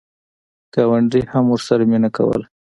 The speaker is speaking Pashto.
ګاونډي هم ورسره مینه کوله.